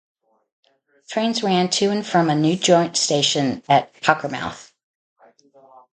Trains ran to and from a new joint station at Cockermouth.